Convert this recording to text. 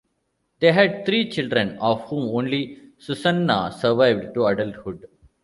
They had three children, of whom only Susanna survived to adulthood.